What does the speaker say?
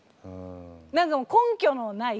何か根拠のない。